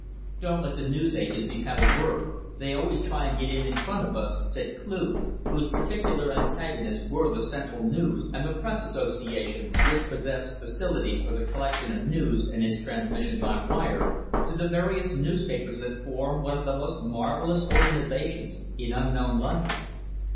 "Don't let the news agencies have a word. They always try and get in front of us," said Cleugh, whose particular antagonists were the Central News and the Press Association, which possess facilities for the collection of news and its transmission by wire to the various newspapers that form one of the most marvellous organisations in unknown London.